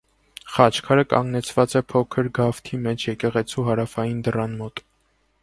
Խաչքարը կանգնեցված է փոքր գավթի մեջ, եկեղեցու հարավային դռան մոտ։